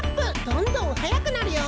どんどんはやくなるよ！